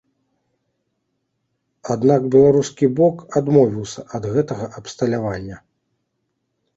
Аднак беларускі бок адмовіўся ад гэтага абсталявання.